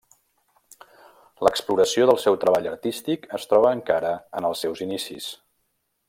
L'exploració del seu treball artístic es troba encara en els seus inicis.